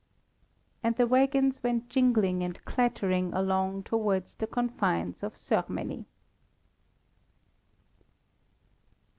And the waggons went jingling and clattering along towards the confines of Szörmeny.